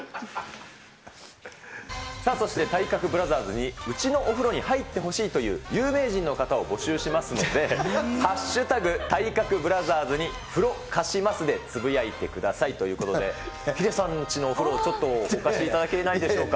そして体格ブラザーズにうちのお風呂に入ってほしいという有名人の方を募集しますので、＃体格ブラザーズに風呂貸しますでつぶやいてくださいということで、ヒデさんちのお風呂、ちょっと貸していただけないでしょうか。